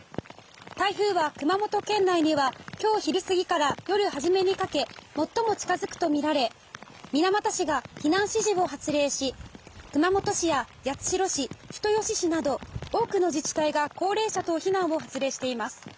台風は熊本県内には今日昼過ぎから夜初めにかけ最も近付くとみられ水俣市が避難指示を発令し熊本市や八代市、人吉市など多くの自治体が高齢者等避難を発令しています。